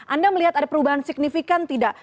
anda melihat ada perubahan signifikan tidak